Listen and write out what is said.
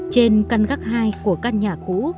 trên căn gác hai của căn nhà cũ